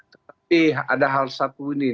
tapi ada hal satu ini